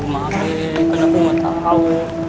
maaf babe kan aku gak tau